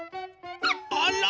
あら！